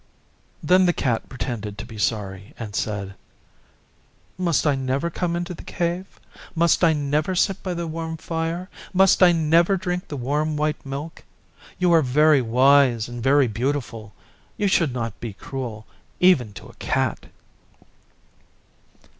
Then Cat pretended to be sorry and said, 'Must I never come into the Cave? Must I never sit by the warm fire? Must I never drink the warm white milk? You are very wise and very beautiful. You should not be cruel even to a Cat.